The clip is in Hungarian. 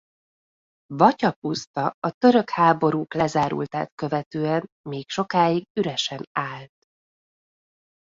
Vatya-puszta a török háborúk lezárultát követően még sokáig üresen állt.